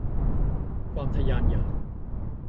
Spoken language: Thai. ความทะยานอยาก